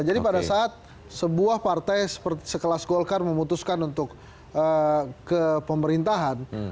jadi pada saat sebuah partai sekelas golkar memutuskan untuk ke pemerintahan